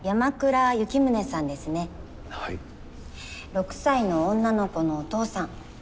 ６歳の女の子のお父さん。